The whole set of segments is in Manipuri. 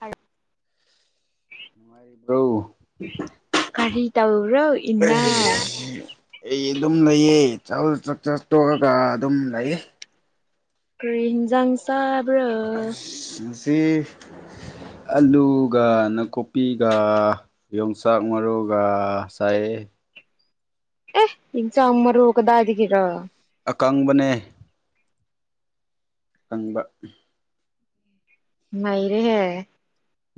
ꯍꯥꯏ ꯅꯨꯡꯉꯥꯏꯔꯤꯕ꯭ꯔꯣ ꯀꯔꯤ ꯇꯕꯕ꯭ꯔꯣ ꯏꯅꯥ ꯑꯩ ꯑꯗꯨꯝ ꯂꯩꯌꯦ ꯆ ꯆꯥꯛ ꯆꯠ ꯇꯣꯛꯑꯒ ꯑꯗꯨꯝ ꯂꯩꯌꯦ ꯀꯔꯤ ꯍꯤꯟꯖꯥꯡ ꯆꯠ ꯁꯤ ꯑꯂꯨꯒ ꯅꯥꯀꯨꯞꯄꯤꯒ ꯌꯣꯡꯆꯥꯛ ꯃꯔꯨꯒ ꯉꯥꯏ ꯎꯝ ꯑꯦ ꯏ ꯆꯃꯔ ꯑꯣꯗꯥꯗꯤꯗꯒꯤꯔ ꯑꯀꯪꯕꯅꯦ ꯀꯪꯕ ꯃꯩꯔꯦ ꯍꯥꯏ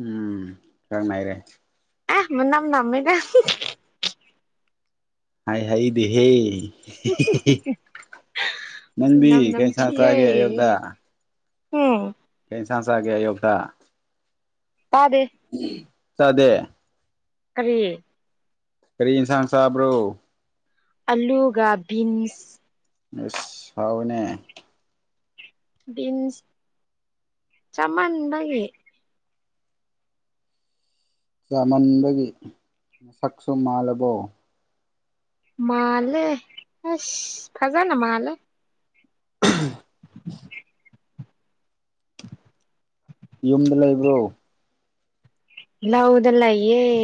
ꯎꯝ ꯈꯔ ꯉꯅꯥꯔꯦ ꯑ ꯃꯅꯥꯝ ꯅꯝꯃꯦꯗ ꯍꯥꯏ ꯍꯩꯗꯦ ꯍꯦ ꯃꯟꯕꯤ ꯃꯅꯝ ꯀꯩ ꯁꯇꯦ ꯅꯝꯊꯤꯌꯦ ꯑꯌꯣꯌꯥ ꯎꯝ ꯁꯥ ꯆꯒꯦ ꯌꯧꯗ ꯇꯥꯗꯦ ꯆꯗꯦ ꯀꯔꯤꯌꯦ ꯀꯔꯤ ꯏꯟꯁꯥꯡ ꯁꯥꯕ꯭ꯔꯣ ꯑꯜꯂꯨꯒ ꯟꯁ ꯑꯥꯎꯅꯦ ꯟꯁ ꯆꯃꯥꯟꯗꯒꯤꯦ ꯆꯃꯟꯕꯒꯤ ꯃꯁꯛꯁꯨ ꯃꯥꯜꯂꯕꯣ ꯃꯥꯂ ꯑꯁ ꯐꯖꯥꯅ ꯃꯥꯂ [unintelligible] ꯌꯨꯝꯗ ꯂꯩꯕ꯭ꯔꯣ ꯏ ꯍꯎꯗꯂ ꯑꯦ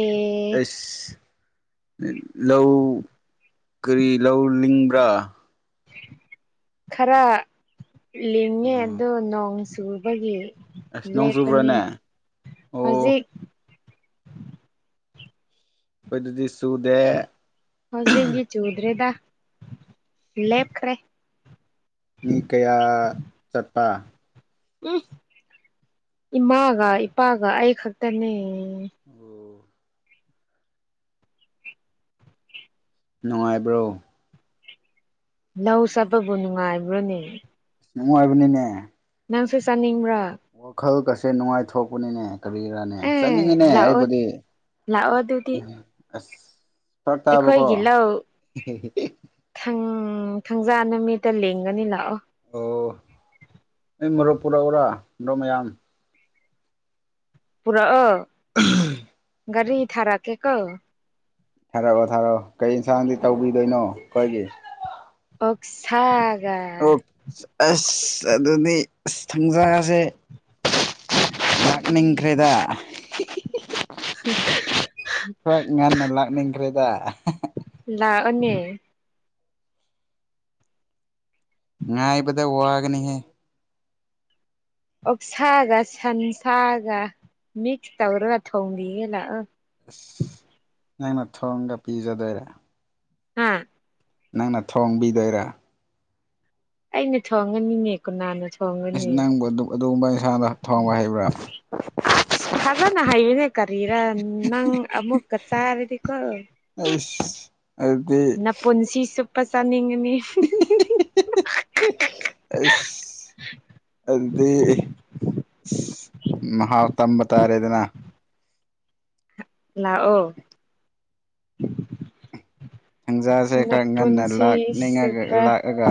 ꯑꯁ ꯂꯧ ꯀꯔꯤ ꯂꯧ ꯂꯤꯡꯕ꯭ꯔꯥ ꯈꯔ ꯂꯤꯡꯉꯦ ꯑꯣ ꯑꯗꯣ ꯅꯣꯡ ꯆꯨꯕꯒꯤ ꯑꯁ ꯅꯣꯡ ꯂꯦꯞꯄꯅꯤ ꯆꯨꯕ꯭ꯔꯥꯅꯦ ꯑꯣ ꯍꯧꯖꯤꯛ ꯑꯩꯈꯣꯏꯗꯨꯗꯤ ꯆꯨꯗꯦ ꯍꯧꯣꯖꯤꯩꯒꯤ ꯆꯨꯗ꯭ꯔꯦꯗ ꯂꯦꯞꯈ꯭ꯔꯦ ꯃꯤ ꯀꯌꯥ ꯆꯠꯄ ꯎꯝ ꯏꯃꯥꯒ ꯏꯄꯥꯒ ꯑꯩ ꯈꯛꯇꯅꯦ ꯑꯣ ꯅꯨꯡꯉꯥꯏꯕ꯭ꯔꯣ ꯂꯧ ꯆꯠꯄꯕꯨ ꯅꯨꯡꯉꯥꯏꯕ꯭ꯔꯥꯅꯦ ꯅꯨꯡꯉꯥꯏꯕꯅꯤꯅꯦ ꯅꯪꯁꯨ ꯆꯥꯅꯤꯡꯕ꯭ꯔꯥ ꯋꯥꯈꯜ ꯀꯁꯦ ꯅꯨꯡꯉꯥꯏꯊꯣꯛꯄꯅꯤꯅꯦ ꯀꯔꯤꯔꯥꯅꯦ ꯑꯦ ꯆꯠꯅꯤꯡꯉꯤꯅꯦ ꯂꯥꯛꯑꯣ ꯑꯩꯕꯨꯗꯤ ꯎ ꯑꯁ ꯐꯔꯛ ꯇꯥꯕꯀꯣ ꯑꯩꯈꯣꯏꯋꯥꯒꯤꯂꯥꯎ ꯊꯪ ꯎꯝ ꯊꯪꯖꯥ ꯅꯨꯃꯤꯠꯇ ꯂꯦꯡꯒꯅꯤ ꯂꯥꯛꯑꯣ ꯑꯣ ꯑꯩ ꯃꯨꯞ ꯄꯨꯥ ꯑꯣꯔꯥ ꯗꯃꯥꯏꯌꯥꯝ ꯄꯨꯔꯥ ꯑ ꯒꯥꯔꯤ ꯊꯥꯔꯥ ꯀꯦꯀꯧ ꯊꯥꯔꯛꯑꯣ ꯊꯥꯔꯛꯑꯣ ꯀꯩ ꯌꯦꯟꯁꯥꯡꯗꯤ ꯇꯧꯕꯤꯗꯣꯏꯅꯣ ꯑꯩꯈꯣꯏꯒꯤ ꯑꯣꯛꯁꯥꯔ ꯑꯣ ꯑꯁ ꯑꯗꯨꯅꯤ ꯑꯁ ꯊꯪꯖꯔꯁꯦ ꯂꯥꯛꯅꯤꯪꯈ꯭ꯔꯦꯗ ꯍꯣꯏ ꯉꯟꯅ ꯂꯥꯛꯅꯤꯡꯈ꯭ꯔꯦꯗ ꯂ ꯑ ꯉ ꯏꯕꯗ ꯋꯥꯒꯅꯤꯍꯦ ꯑꯣꯛꯁꯥꯒ ꯁꯟꯁꯥꯒ ꯃꯤꯛꯁ ꯇꯧꯔꯒ ꯊꯣꯡꯔꯤꯒꯦ ꯂꯥꯛ ꯑ ꯑꯁ ꯅꯪꯅ ꯊꯣꯡꯒ ꯄꯤꯖꯗꯣꯏꯔꯦ ꯑꯝ ꯅꯪꯅ ꯊꯣꯡꯕꯤꯗꯣꯏꯔꯥ ꯑꯩꯅ ꯊꯣꯡꯉꯅꯤꯅꯦ ꯀꯅꯥꯅ ꯑꯁ ꯊꯣꯡꯉꯅꯤ ꯅꯪꯕꯨ ꯑꯗꯨꯒꯨꯝꯕ ꯏꯟꯁꯥꯡꯗ ꯊꯣꯡꯕ ꯍꯩꯕ꯭ꯔꯥ ꯑꯁ ꯐꯖꯅ ꯍꯥꯏꯌꯦꯅꯦ ꯀꯔꯤꯔ ꯅꯪ ꯑꯃꯨꯛ ꯀ ꯆꯥꯔꯤꯦꯗꯤ ꯀꯣ ꯑꯩꯁ ꯑꯗꯨꯗꯤ ꯅ ꯄꯨꯨꯟꯁꯤ ꯆꯨꯞꯄ ꯆꯥꯅꯤꯡꯉꯅꯤ ꯑ ꯑꯗꯤ ꯃꯍ ꯍꯥꯥꯎ ꯇꯝꯕ ꯇꯔꯦꯗꯅ ꯂꯥꯛꯑꯣ ꯊꯟꯖꯥꯁꯦ ꯈꯔ ꯉꯟꯅ ꯅꯄꯨꯟꯁꯤ ꯂꯥꯛꯅꯤꯡꯉꯒ ꯆꯨꯞꯄ ꯂꯥꯛꯑꯒ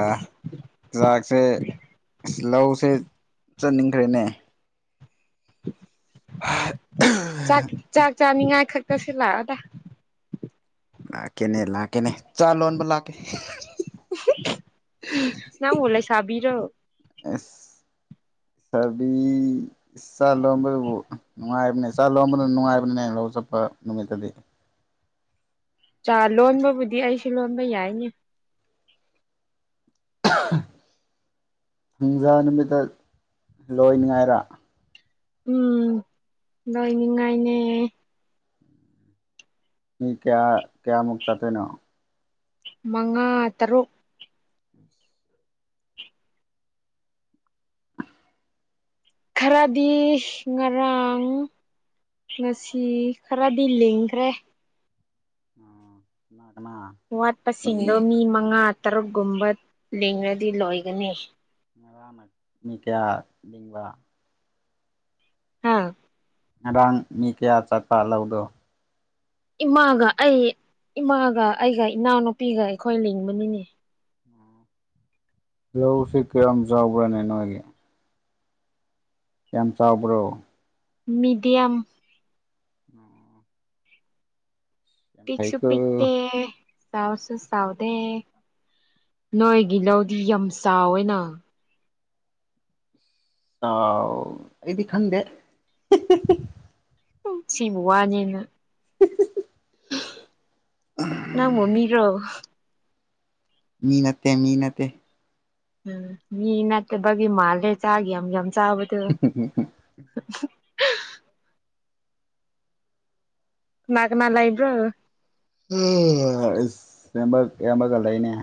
ꯆꯥꯛꯁꯦ ꯂꯧꯁꯦ ꯆꯠꯅꯤꯡꯈ꯭ꯔꯦꯅꯦ ꯥꯛ ꯆꯥꯛ ꯆꯥꯅꯤꯉꯥꯏ ꯈꯛꯇꯁꯨ ꯂꯥꯛꯑꯗ ꯀꯦꯅꯦꯂꯀꯦꯅꯦ ꯆꯂꯣ ꯂ ꯀ ꯌꯥꯣ ꯑꯦꯁ ꯁꯥꯕꯤ ꯆꯥ ꯂꯣꯟꯕꯕꯨ ꯅꯨꯡꯉꯥꯏꯕꯅꯦ ꯆꯥ ꯂꯣꯟꯗꫭ ꯅꯨꯡꯉꯥꯏꯕꯅꯤꯅꯦ ꯍꯥꯎ ꯆꯠꯄ ꯅꯨꯃꯤꯠꯇꯗꯤ ꯥ ꯆꯥ ꯂꯣꯟꯕꯕꯨꯗꯤ ꯑꯩꯁꯨ ꯂꯣꯟꯕ ꯌꯥꯏꯅꯦ ꯨ ꯑꯍꯥ ꯅꯨꯡꯖꯥ ꯅꯨꯃꯤꯠꯇ ꯂꯣꯏꯅꯤꯡꯉꯥꯏꯔ ꯎꯝ ꯂꯣꯏꯅꯤꯡꯉꯥꯏꯅꯦ ꯃꯤ ꯀꯌꯥ ꯀꯌꯥꯃꯨꯛ ꯆꯠꯇꫭꯏꯅꫭ ꯃꯉꯥ ꯇꯔꯨꯛ ꯈꯥꯔꯗꯤ ꯉꯔꯥꯡ ꯉꯁꯤ ꯈꯔꯗꯤ ꯂꯤꯡꯈ꯭ꯔꯦ ꯑ ꯃꯥꯠ ꯋꯥꯠꯄꯁꯤꯡꯗꯣ ꯃꯤ ꯃꯉꯥ ꯇꯔꯨꯛꯒꯨꯝꯕ ꯂꯤꯡꯉꯥꯗꯤ ꯂꯣꯏꯒꯅꯤ ꯉꯔꯥꯡꯅ ꯃꯤ ꯀꯌꯥ ꯂꯤꯡꯕ ꯑꯥ ꯉꯔꯥꯡ ꯃꯤ ꯀꯌꯥ ꯆꯥꯇꯥ ꯂꯧꯗꯣ ꯏꯃꯥꯒ ꯑꯩ ꯏꯃꯥꯒ ꯑꯩꯒ ꯏꯅꯥꯎꯅꯨꯄꯤꯒ ꯑꯩꯈꯣꯏ ꯂꯤꯡꯕꯅꯤꯅꯦ ꯂꯧꯁꯤ ꯀꯌꯥꯝ ꯆꯥꯎꯕ꯭ꯔꯅ‌ꯦ ꯅꯣꯏꯒꯤ ꯌꯥꯝ ꯆꯥꯎꯕ꯭ꯔꯣ ꯃꯤꯗꯤꯌꯝ ꯑꫭ ꯑꫭ ꯑꫭ ꯄꯤꯛꯁꯨ ꯐꯩꯀꯣ ꯄꯤꯛꯇ‍ꯦ ꯆꯥꯎꯁꯨ ꯆꯥꯎꯇ‌ꯦ ꯅꯣꯏꯒꯤ ꯂꯧꯗꯤ ꯌꯥꯝ ꯆꯥꯎꯋꯦꯅ ꯑꯥꯎ ꯑꯩꯗꯤ ꯈꯪꯗꯦ ꯍꯤ ꯍꯤ ꯍꯤ ꯎꯝ ꯁꯤꯕꯨ ꯋꯥꯅꯦꯅ ꯅꯪꯕꯨ ꯃꯤꯔꯣ ꯃꯤ ꯅꯠꯇꯦ ꯃꯤ ꯅꯠꯇꯦ ꯎꯝ ꯃꯤ ꯅꯠꯇꯥꯕꯒꯤ ꯃꯥꯜꯂ‌ꯦ ꯆꯥꯒꯤ ꯌꯝ ꯌꯝ ꯆꯥꯕꯗꫭ ꯀꯥꯅ ꯀꯥꯅ ꯂꯩꯕ꯭ꯔꯣ ꯍꯥ ꯑꯁ ꯑꯌꯥꯕꯛ ꯑꯌꯥꯝꯕꯒ ꯂꯩꯅ‌ꯦ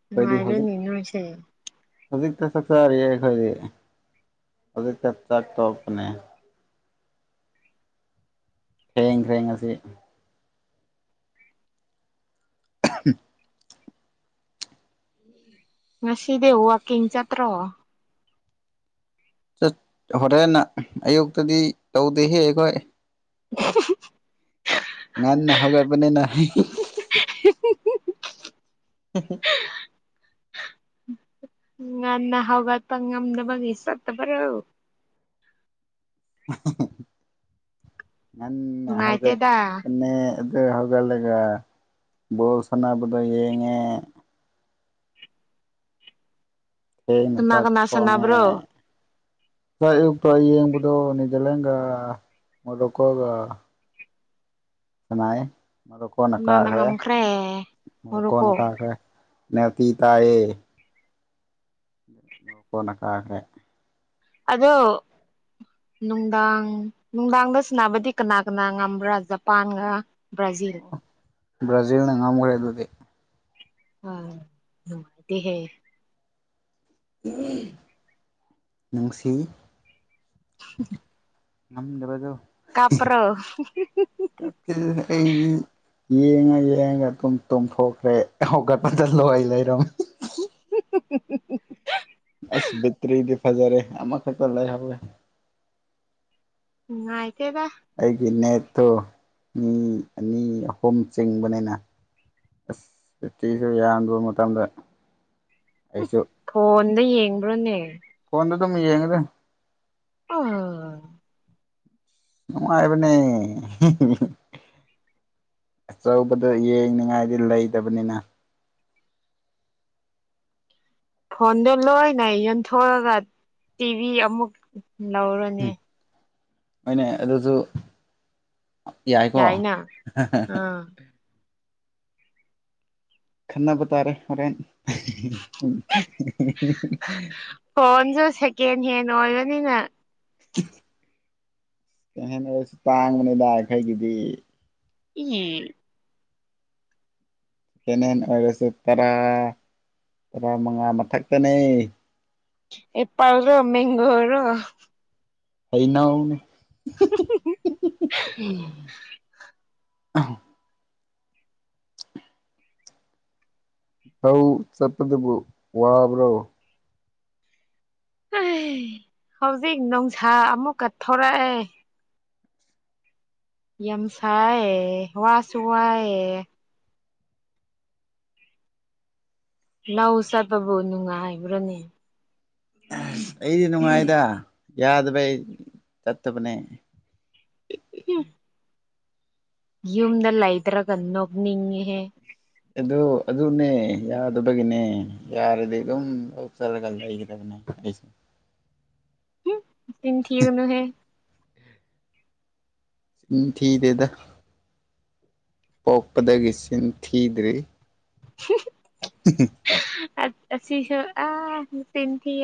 ꯑꯩꯈꯣꯏꯗꯤ ꯅꯨꯡꯉꯥꯏꯔ‌ꯦ ꯍꯧꯖꯤꯛ ꯅ‍ꯦꯅ‍ꯦ ꯍꫭꯏꯁ‌ꯦ ꯍꯧꯖꯤꯛꯇ ꯆꯥꯛ ꯆꯔꯤꯌꯦ ꯑꯩꯈꯣꯏꯗꯤ ꯍꯧꯖꯤꯛꯇ ꯆꯥꯛ ꯇꯣꯛꯄꯅꯦ ꯈ꯭ꫪ‌ꯦꯡ ꯈ꯭ꯔꯦꯡ ꯑꯁꯤ ꯑꯍꯝ ꯉꯁꯤꯗꯤ ꯋꯥꯀꯤꯡ ꯆꯠꯇ꯭ꯔꯣ ꯆꯠ ꯍꯣꯔꯦꯟ ꯑꯌꯨꯛꯇꯗꯤ ꯇꯧꯗꯦꯍꯦ ꯑꯩꯈꯣꯏ [unintelligible] ꯉꯥꯟꯅ ꯍꯧꯒꯠ ꯄꯅꯤꯅ ꯍꯥ ꯍꯤ ꯍꯤ ꯍꯤ ꯍꯤ ꯍꯤ ꯍꯤ ꯎꯝ ꯉꯟꯅ ꯍꯧꯒꯠꯄ ꯉꯝꯗꯥꯕꯒꯤ ꯆꯠꯇꯕ꯭ꯔꯣ ꯉꯟꯅ ꯅꯨꯡꯉꯥꯏꯇꯦꯗ ꯍꯧꯒꯠꯄꯅ‌ꯦ ꯑꯗꯨ ꯍꯧꯒꯠꯂꯒꯥ ꯕꫭꯜ ꯁꯟꯅꯥꯕꯗꫭ ꯌꯦꯡꯉꯦ ꯊ‌ꯦꯡꯅ ꯀꯅꯥ ꯆꯥꯛ ꯀꯅꯥ ꯊꯣꯡꯉ‌ꯦ ꯁꯥꯟꯅꯕ꯭ꯔꯣ ꯇꫭ ꯑꯌꯨꯛꯇꫭ ꯌꯦꯡꯕꯗꯣ ꯅꯤꯖꯔꯂꯩꯟꯒ ꯃꫭꫪꫭꯀꯣꯒ ꯁꯅꯥꯏꯌ‌ꯦ ꯃꫭꫪꫭꯀꫭꯅ ꯀꯅꯥꯅ ꯀꯒ꯭ꯔꯦ ꯉꯝꯈ꯭ꯔꯦ ꯃꫭꫪꫭꯀꯣꯅꯥ ꯃꯣꯔꯣꯀꯣ ꯀꯒ꯭ꯔꯦ ꯅꯞꯄꯤ ꯇꯏꯌ‌ꯦ ꯃꫭꫪꫭꯀꯣꯅ ꯀꯥꯈ꯭ꯔꯦ ꯑꯗꯣ ꯅꯨꯡꯗꯥꯡ ꯅꯨꯡꯗꯥꯡꯗ ꯁꯤꯟꯅꯕꯗꯤ ꯀꯅꯥ ꯀꯅꯥ ꯉꯝꯕ꯭ꯔꯥ ꯖꯄꯥꯟꯒ ꯕ꯭ꯔꯖꯤꯜ ꯕ꯭ꯔꯥꯖꯤꯜꯅ ꯉꯝꯈ꯭ꯔꯦ ꯑꯗꯨꯗꯤ ꯑ ꯅꯨꯡꯉꯥꯏꯗꯤ ꯍꯦ ꯪꯁꯤ ꯎꯝ ꯅ ꯗꯕ ꯑꯗꯨꯣ ꯀꯞ꯭ꯔꯣ ꯑꯩꯗꯤ ꯌꯦꯡꯉ ꯌꯦꯡꯉꯒ ꯑꯗꯨꯝ ꯇꯣꯡꯊꯣꯛꯈ꯭ꯔꯦ ꯍꯧꯒꯠꯄꯗ ꯂꯣꯏ ꯂꯩꯔꯝꯃꯦ [inaudible] ꯑꯁ ꯦꯇ꯭ꯔꯤꯗꯤ ꯐꯖꯔꯦ ꯑꯃ ꯈꯛꯇ ꯂꯩꯥꯏ ꯍꯦ ꯎꯝ ꯍꯥꯏ ꯑꯩꯒꯤ ꯅꯦꯠꯇꯣ ꯃꯤ ꯑꯅꯤ ꯑꯍꯨꯝ ꯆꯤꯡꯕꯅꯤꯅ ꯑꯁ ꯎꯇꯤꯁꯨ ꯌꯥꯟꯗꯕ ꯃꯇꯝꯗ ꯑꯩꯁꯨ ꯗ ꯌꯦꯡꯕ꯭ꯔꯣꯅꯦ ꯗꯝ ꯌꯦꯡꯒꯗ ꯑ ꯑꯣꯅꯨꯡꯥꯏꯕꯅꯦ ꯑꯆꯧꯕꯗ ꯌꯦꯡꯅꯤꯡꯉꯥꯏꯗꯤ ꯂꯩꯇꯕꯅꯤꯅ ꯐꯣꯟꯗꯣ ꯂꯣꯏꯅꯦ ꯌꯟꯊꯣꯛꯑꯒ ꯇꯤꯚꯤ ꯑꯃꯨꯛ ꯂꯧꯔꯅꯦ ꯃꯣꯏꯅꯦ ꯑꯗꯨꯁꯨ ꯌꯥꯏꯀꯣ ꯌꯥꯏꯅ ꯑꯥ ꯈꯟꯅꯄ ꯇꯥꯔꯦ ꯍꯣꯔꯦꯟ ꯀꯦꯟ ꯍꯦꯟ ꯑꯣꯏꯔꯅꯤꯅ ꯀꯩꯍꯦꯟꯅ ꯑꯣꯏꯁꯨ ꯇꯥꯡꯕꯅꯤ ꯂꯥꯛꯈꯩꯒꯤꯗꯤ ꯎꯝ ꯁꯦꯀꯦꯟ ꯍꯦꯟ ꯑꯣꯏꯔꯁꯨ ꯇꯔꯥ ꯇꯔꯥꯃꯉꯥ ꯃꯊꯛꯇꯅꯤ ꯑꯦꯄꯥꯜ ꯔꯣ ꯃꯒꯣꯔꯣ ꯍꯩꯅ ꯍꯅꯦ [inaudible] ꯑ ꯍ ꯆꯠꯄꯗꯕꯨ ꯋꯥꯕ꯭ꯔꯣ ꯍꯧꯖꯤꯛ ꯅꯨꯡꯁꯥ ꯑꯃꯨꯛꯀ ꯊꯣꯔꯛꯑꯦ ꯌꯝꯁꯌꯦ ꯋꯥꯁꯨꯏ ꯂ ꯎꯁꯥ ꯄꯕꯨ ꯅꯨꯡꯉ ꯍꯥꯏꯕ꯭ꯔꯥꯅꯤ ꯑꯩꯗꯤ ꯅꯨꯡꯉꯥꯏꯗ ꯌꯥꯗꯕꯩ ꯆꯠꯇꯕꯅꯦ ꯍ ꯌꯨꯝꯗ ꯂ ꯂꯩꯗ꯭ꯔꯒꯟꯅꯣꯒꯅꯤꯍꯦ ꯑꯗꯨ ꯑꯗꯨꯅꯦ ꯌꯥꯗꯕꯒꯤꯅꯦ ꯌꯥꯔꯗꯤ ꯑꯗꯨꯝ ꯂꯧꯆꯂꯒ ꯂꯩꯒꯗꯕꯅꯦ ꯑꯩꯁꯨ ꯅꯤ ꯊꯀꯅ ꯍꯦ ꯎꯝ ꯊꯗꯗ ꯄꯣꯛꯄꯗꯒꯤ ꯁꯤꯟ ꯊꯤꯗ꯭ꯔꯤ [inaudible] ꯊꯀꯦ ꯁꯤꯁ ꯑ ꯁꯤꯇꯤ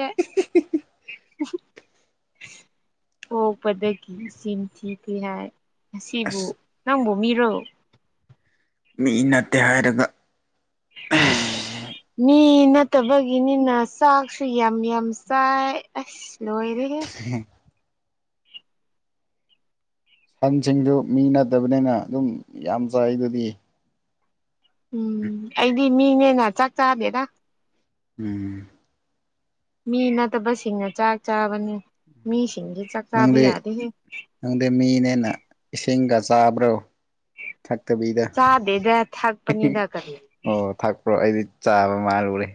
ꯑꯣ ꯄꯗꯒꯤ ꯁꯤꯝ ꯊꯤ ꯀ ꯍꯥꯏ ꯉꯁꯤꯕꯨ ꯑꯁ ꯅꯪꯕꯨ ꯃꯤꯔꯣ ꯃꯤ ꯅꯠꯇꯦ ꯍꯥꯏꯔꯒ [inaudible] ꯃꯤ ꯅꯠꯇꯕꯒꯤꯅꯤꯅ ꯆꯥꯛꯁꯨ ꯌꯥꯝ ꯌꯥꯝ ꯆꯥꯏ ꯑꯁ ꯂꯣꯏꯔꯦ [inaudible] ꯁꯟꯁꯤꯡꯗꯨ ꯃꯤ ꯅꯠꯇꯕꯅꯤꯅ ꯑꯗꯨꯝ ꯌꯥꯝ ꯆꯥꯏ ꯑꯗꯨꯗꯤ ꯎꯝ ꯑꯩꯗꯤ ꯃꯤꯅꯦꯅ ꯆꯥꯛ ꯆꯥꯗꯦꯔ ꯎꯝ ꯃꯤ ꯅꯠꯇꯕꯁꯤꯡꯅ ꯆꯥꯛ ꯆꯥꯕꯅꯤ ꯃꯤ ꯁꯤꯁꯤꯡꯒꯦ ꯆ ꯀꯥꯕꯤ ꯅꯪꯗꯤ ꯌꯥꯗ ꯍꯦ ꯅꯪꯗꯤ ꯃꯤꯅꯦꯅ ꯏꯁꯤꯡꯒ ꯆꯥꯕ꯭ꯔꯣ ꯊꯛꯇꯕꯤꯗ ꯆꯥꯗꯦꯗ ꯊꯛꯄꯅꯤꯗ ꯀꯔꯤ ꯑꯣ ꯊꯥꯛꯄ꯭ꯔꯣ ꯑꯩꯗꯤ ꯆꯥꯕ ꯃꯥꯜꯂꯨꯔꯦ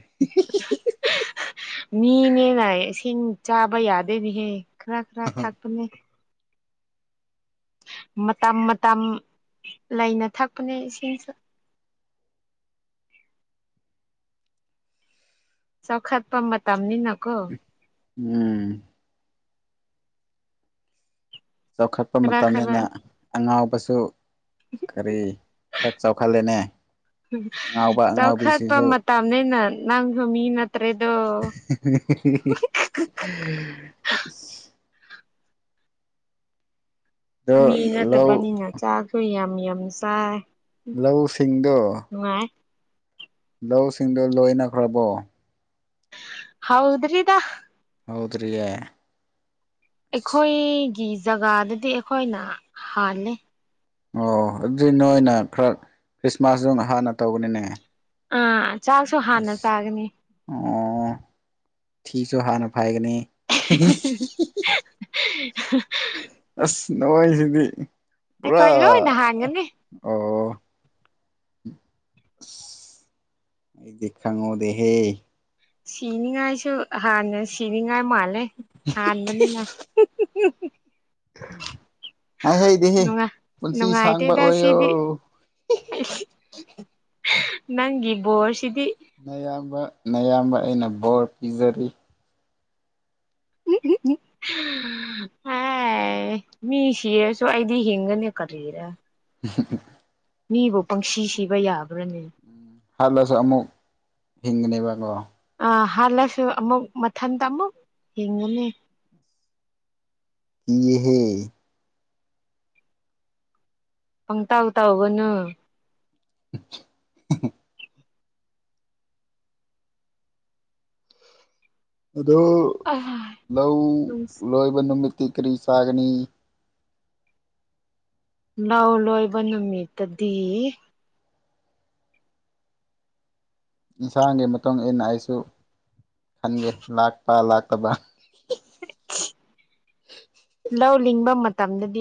ꯃꯤꯅꯦꯅ ꯏꯁꯤꯡ ꯆꯥꯕ ꯌꯥꯗꯦꯅꯤꯍꯦ ꯈꯔꯥ ꯈꯔꯥ ꯊꯥꯛꯄꯅꯦ ꯃꯇꯝ ꯃꯇꯝ ꯂꯩꯅ ꯊꯛꯄꯅꯦ ꯏꯁꯤꯡꯁꯨ ꯁꯧꯈꯠꯄꯝꯕ ꯇꯝꯅꯤꯅ ꯀꯣ ꯎꯝ ꯆꯥꯎꯈꯠꯄ ꯈꯔ ꯈꯔ ꯃꯇꯝꯅꯤꯅ ꯑꯉꯥꯎꯕꯁꯨ ꯀꯔꯤ ꯈꯔ ꯆꯥꯎꯈꯠꯂꯦꯅꯦ ꯑꯉꯥꯎꯕ ꯆꯥꯎꯈꯠꯄ ꯑꯉꯥꯎꯕꯤꯁꯤꯁꯨ ꯃꯇꯝꯅꯤꯅ ꯅꯪꯒ ꯃꯤꯅ [inaudible] ꯑꯗꯣ ꯃꯤ ꯂꯧ ꯅꯠꯇꯕꯅꯤꯅ ꯆꯥꯛꯁꯨ ꯌꯥꯝ ꯌꯥꯝ ꯆꯥꯏ ꯂꯧꯁꯤꯡꯗꯣ ꯅꯨꯡꯉꯥꯏ ꯂꯧꯁꯤꯡꯗꯨꯣ ꯂꯣꯏꯅꯈ꯭ꯔꯕꯣ ꯍꯥꯎꯗ꯭ꯔꯔꯤꯗ ꯍꯗ꯭ꯔꯌꯦ ꯑꯩꯈꯣꯏꯒꯤ ꯖꯒꯥꯗꯗꯤ ꯑꯩꯈꯣꯏꯅ ꯍꯥꯜꯂꯦ ꯑꯣ ꯑꯗꯨꯗꯤ ꯅꯣꯏꯅ ꯈꯔ ꯈ꯭ꯔꯤꯁꯃꯥꯁꯇ ꯍꯥꯟꯅ ꯇꯧꯕꯅꯤꯅꯦ ꯑꯥ ꯆꯥꯛꯁꯨ ꯍꯥꯟꯅ ꯑꯁ ꯆꯥꯒꯅꯤ ꯑꯣ ꯊ ꯤꯁꯨ ꯍꯥꯥꯟꯅ ꯐꯥꯏꯒꯅꯤ [inaudible] ꯑꯁ ꯅꯣꯏꯁꯤꯗꯤ ꯑꯩꯈꯣꯏ ꯄꯨꯔꯥ ꯂꯣꯏꯅ ꯍꯥꯟꯒꯅꯤ ꯑꯣ ꯑꯩꯗꯤ ꯈꯪꯍꯧꯗꯦ ꯍꯦ ꯁꯤꯅꯤꯡꯉꯥꯏꯁꯨ ꯍꯥꯟꯅ ꯁꯤꯅꯤꯡꯉꯥꯏ ꯃꯥꯜꯂꯦ ꯍꯥꯟꯕꯅꯤꯅ ꯎ ꯍꯥꯏ ꯍꯩꯗꯤꯍꯦ ꯅꯨꯡꯉꯥꯏ ꯄꯨꯟꯁꯤ ꯁꯥꯡꯕ ꯅꯨꯡꯉꯥꯏꯇꯦꯗ ꯑꯣꯏꯌꯣ ꯁꯤꯗꯤ ꯅꯪꯒꯤ ꯕꯣꯁ ꯑꯌꯥꯝꯕ ꯑꯌꯥꯝꯕ ꯑꯩꯅ ꯕꯣꯔ ꯄꯤꯖꯔꯤ [inaudible] ꯍ ꯃꯤ ꯁꯤꯔꯁꯨ ꯑꯩꯗꯤ ꯍꯤꯡꯒꯅꯦ ꯀꯔꯤꯅꯣ ꯎ ꯃꯤꯕꯨ ꯄꯪꯁꯤ ꯁꯤꯕ ꯌꯥꯕ꯭ꯔ ꯎꯝ ꯍꯜꯂꯁꯨ ꯑꯃꯨꯛ ꯍꯤꯡꯒꯅꯦꯕꯀꯣ ꯍꯥꯜꯂꯁꯨ ꯑꯃꯨꯛ ꯃꯊꯟꯇ ꯑꯃꯨꯛ ꯍꯤꯡꯉꯅꯤ ꯏꯍꯦ ꯐꯪ ꯇꯥꯎ ꯇꯥꯎꯒꯅ [inaudible] ꯑꯣ ꯑꯥ ꯂꯧ ꯂꯣꯏꯕ ꯅꯨꯃꯤꯠꯇꯤ ꯀꯔꯤ ꯁꯥꯒꯅꯤ ꯂꯧ ꯂꯣꯏꯕ ꯅꯨꯃꯤꯠꯇꯗꯤ ꯏꯟꯁꯥꯡꯒꯤ ꯃꯇꯨꯡ ꯏꯟꯅ ꯑꯩꯁꯨ ꯈꯟꯒꯦ ꯂꯥꯛꯄ ꯂꯥꯛꯇꯕ ꯂꯧ ꯂꯤꯡꯕ ꯃꯇꯝꯗꯗꯤ